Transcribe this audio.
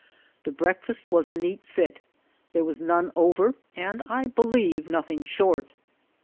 The breakfast was a neat fit ; there was none over, and I believe nothing short.